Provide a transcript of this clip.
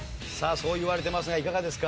そう言われていますがいかがですか？